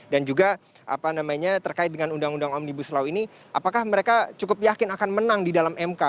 dan juga apa namanya terkait dengan undang undang omnibus law ini apakah mereka cukup yakin akan menang di dalam mk